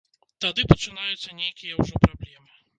Тады пачынаюцца нейкія ўжо праблемы.